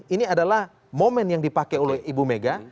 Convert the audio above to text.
ini adalah momen yang dipakai oleh ibu mega